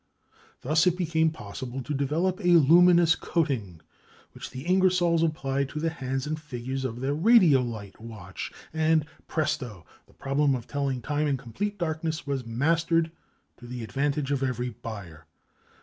Thus it became possible to develop a luminous coating which the Ingersolls applied to the hands and figures of their "Radiolite" watch and, presto! the problem of telling time in complete darkness was mastered to the advantage of every buyer.